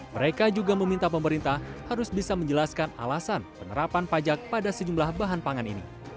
mereka juga meminta pemerintah harus bisa menjelaskan alasan penerapan pajak pada sejumlah bahan pangan ini